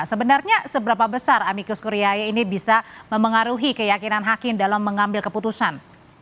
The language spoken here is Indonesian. sebenarnya seberapa besar amicus kuryai ini bisa memengaruhi keyakinan hakim dalam mengambil keputusan